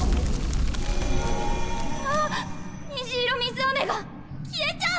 ああ虹色水あめが消えちゃう。